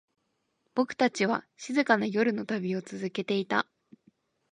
僕たちは、静かな夜の旅を続けていた。